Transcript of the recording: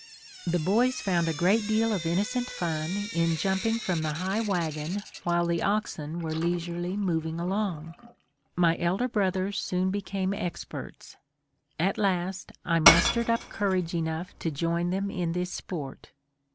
The boys found a great deal of innocent fun in jumping from the high wagon while the oxen were leisurely moving along. My elder brothers soon became experts. At last, I mustered up courage enough to join them in this sport.